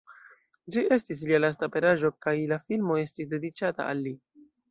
Ĝi estis lia lasta aperaĵo, kaj la filmo estis dediĉata al li.